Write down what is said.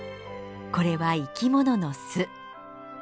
これは生き物の巣。